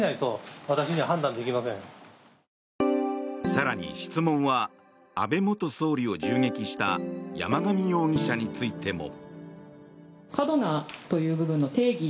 更に、質問は安倍元総理を銃撃した山上容疑者についても。